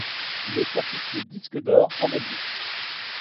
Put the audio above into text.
Il est certifié disque d'or en Belgique.